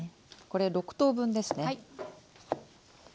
これ６等分ですね。